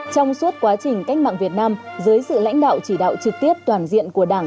trong suốt quá trình cách mạng việt nam dưới sự lãnh đạo chỉ đạo trực tiếp toàn diện của đảng